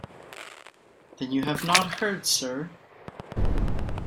Then you have not heard, sir?